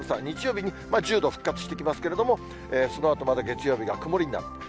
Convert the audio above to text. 日曜日に１０度復活してきますけれども、そのあとまた月曜日が曇りになる。